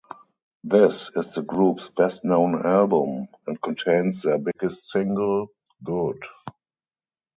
This is the group's best known album and contains their biggest single, "Good".